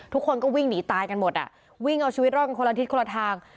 ทุกคนก็วิ่งหนีตายกันหมดอ่ะวิ่งเอาชีวิตรอดกันคนละทิศคนละทาง